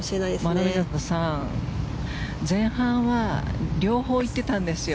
諸見里さん、前半は両方行ってたんですよ。